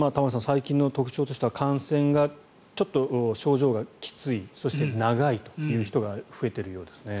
最近の特徴としては感染がちょっと症状がきついそして長いという人が増えているようですね。